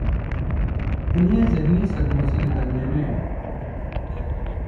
انہیں ذہنی صدموں سے نکلنے میں